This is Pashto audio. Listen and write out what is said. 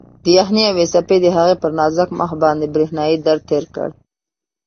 د یخنۍ یوې څپې د هغې پر نازک مخ باندې برېښنايي درد تېر کړ.